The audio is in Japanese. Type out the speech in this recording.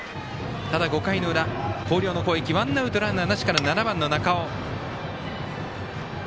ただ、５回の裏広陵の攻撃、ワンアウトランナーなしから７番の中尾。